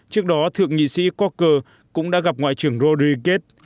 trước đó thượng nghị sĩ coker cũng đã gặp ngoại trưởng rodríguez